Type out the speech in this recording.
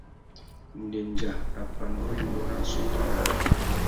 Ndéndja râ pandú rinú râ assôtô.